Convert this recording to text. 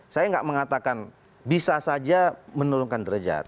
saya nggak mengatakan bisa saja menurunkan derajat